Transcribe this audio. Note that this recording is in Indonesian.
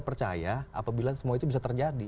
percaya apabila semua itu bisa terjadi